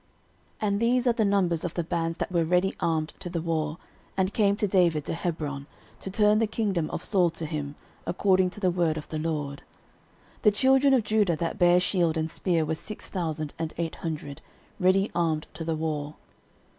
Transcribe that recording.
13:012:023 And these are the numbers of the bands that were ready armed to the war, and came to David to Hebron, to turn the kingdom of Saul to him, according to the word of the LORD. 13:012:024 The children of Judah that bare shield and spear were six thousand and eight hundred, ready armed to the war.